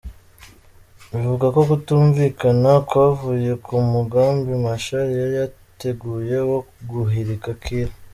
Bivugwa ko kutumvikana kwavuye ku mugambi Machar yari yateguye wo guhirika Kiir.